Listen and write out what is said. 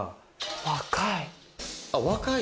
若い。